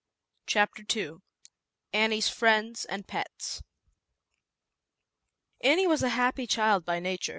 Chapter II Annie's Friends and Pets JKU WAS a happy child by nature.